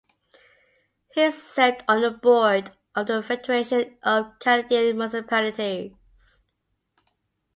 He served on the board of the Federation of Canadian Municipalities.